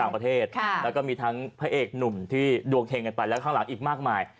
ต่างประเทศแล้วก็มีทั้งพระเอกหนุ่มที่ดวงเฮงกันไปแล้วข้างหลังอีกมากมาย